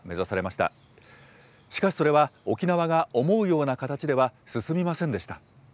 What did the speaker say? しかし、それは沖縄が思うような形では進みませんでした。